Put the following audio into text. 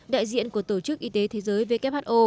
đại diện của tổ chức y tế thế giới who